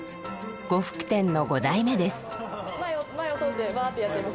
呉服店の五代目です。